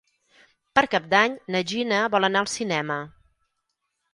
Per Cap d'Any na Gina vol anar al cinema.